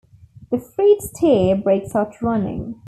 The freed steer breaks out running.